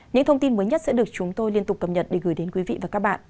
những thông tin mới nhất sẽ được chúng tôi liên tục cập nhật để gửi đến quý vị và các bạn